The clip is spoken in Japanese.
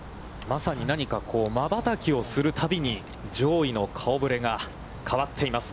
まさに、何かまばたきをするたびに上位の顔ぶれが変わっています。